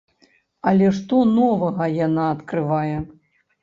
Але што новага яна адкрывае?